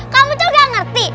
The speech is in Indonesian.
kamu tuh gak ngerti